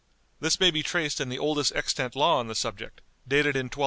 This may be traced in the oldest extant law on the subject, dated in 1292.